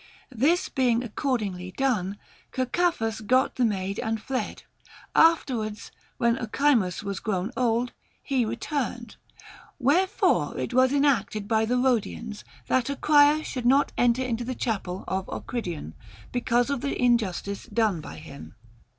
This being accordingly done, Cercaphus got the maid and fled ; afterwards, when Ochimus was grown old, he re turned. Wherefore it was enacted by the Rhodians that a crier should not enter into the chapel of Ocridion, because of the injustice done by him.